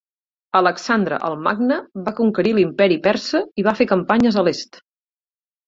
Alexandre el Magne va conquerir l'Imperi Persa i va fer campanyes a l'est.